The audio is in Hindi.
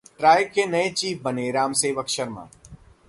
ट्राई के नए चीफ बने राम सेवक शर्मा